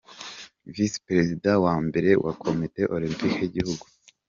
Visi Perezida wa mbere wa komite Olempike y’igihugu.